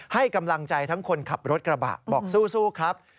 ให้กำลังใจทั้งคนขับรถกระบะบอกสู้ครับ